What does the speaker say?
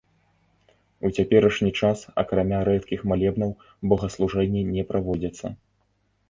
У цяперашні час, акрамя рэдкіх малебнаў, богаслужэнні не праводзяцца.